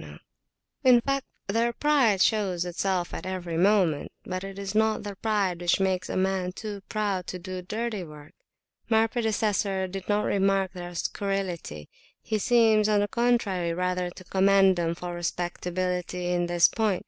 [FN#14] In fact, their pride shows itself at every moment; [p.236] but it is not the pride which makes a man too proud to do dirty work. My predecessor did not remark their scurrility: he seems, on the contrary, rather to commend them for respectability in this point.